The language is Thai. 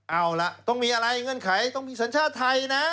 เอาล่ะต้องมีอะไรเงื่อนไขต้องมีสัญชาติไทยนะ